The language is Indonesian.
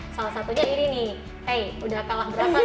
udah kalah berapa nih